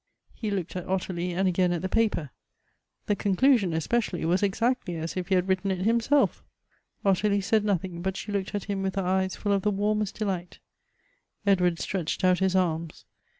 He looked at Ottilie, and again at the paper : the conclusion, especially, was exactly as if he had writ ten it himself. Ottilie said nothing, but she looked at him with her eyes full of the wannest delight. Edward stretched out his arms.